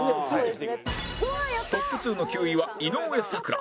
トップ２の９位は井上咲楽